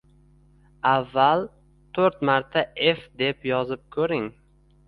Avval to’rt marta F deb yozib ko’ring